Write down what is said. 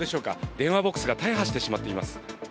電話ボックスが大破してしまっています。